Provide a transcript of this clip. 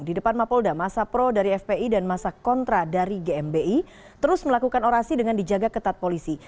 di depan mapolda masa pro dari fpi dan masa kontra dari gmbi terus melakukan orasi dengan dijaga ketat polisi